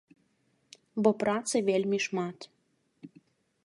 Бо працы вельмі шмат.